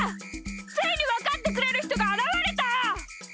ついにわかってくれるひとがあらわれた！